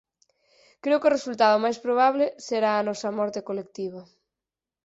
Creo que o resultado máis probable será a nosa morte colectiva.